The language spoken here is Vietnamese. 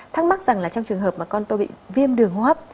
thắc mắc rằng là trong trường hợp mà con tôi bị viêm đường hô hấp